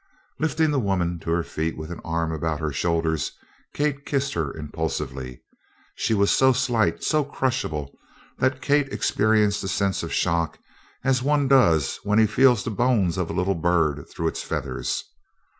Lifting the woman to her feet, with an arm about her shoulders, Kate kissed her impulsively. She was so slight, so crushable, that Kate experienced a sense of shock as one does when he feels the bones of a little bird through its feathers.